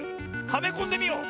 はめこんでみよう！